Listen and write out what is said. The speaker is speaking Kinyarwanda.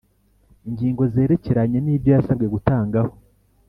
ingingo zerekeranye nibyo yasabwe gutangaho